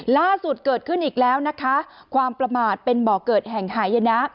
ล่าสุดเกิดขึ้นอีกแล้วนะคะความประมาทเป็นบ่อเกิดแห่งหายนะ